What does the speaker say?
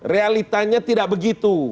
realitanya tidak begitu